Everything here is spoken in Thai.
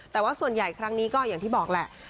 แต่ว่าส่วนใหญ่ครั้งนี้ก็อย่างที่บอกแหละ